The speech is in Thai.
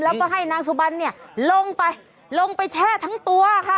แล้วก็ให้นางสุบันเนี่ยลงไปลงไปแช่ทั้งตัวค่ะ